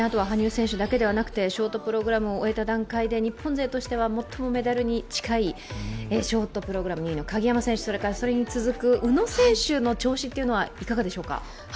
羽生選手だけではなくてショートプログラムを終えた段階では、日本勢としては最もメダルに近いショートプログラム２位の鍵山選手、それに続く宇野選手の調子はいかがでしょうか？